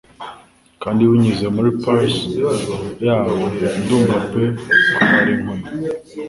Kandi binyuze muri pulse yabo ndumva pe kubara inkoni